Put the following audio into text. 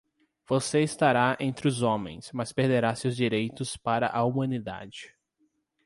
Você estará entre os homens, mas perderá seus direitos para a humanidade.